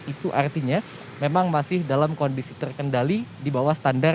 itu artinya memang masih dalam kondisi terkendali di bawah standar